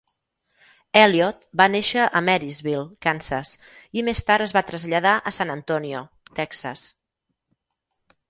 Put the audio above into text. Elliott va néixer a Marysville (Kansas) i més tard es va traslladar a San Antonio (Texas).